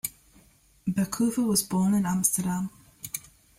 Berkouwer was born in Amsterdam.